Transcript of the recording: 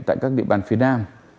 tại các địa bàn phía nam